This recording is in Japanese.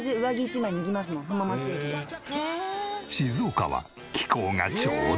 静岡は。